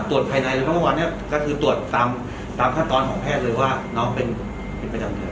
ตรวจภายในในเมื่อวานนี้ก็คือตรวจตามขั้นตอนของแพทย์เลยว่าน้องเป็นประจำเดือน